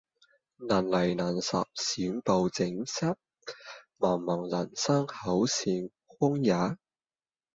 難離難捨想抱緊些茫茫人生好像荒野